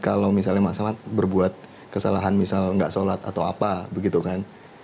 kalau misalnya mas ahmad berbuat kesalahan misal nggak sholat atau apa begitu kan